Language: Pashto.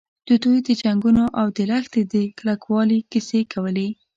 دوی د جنګونو او د لښتې د کلکوالي کیسې کولې.